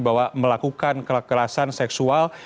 bahwa melakukan kekerasan seksual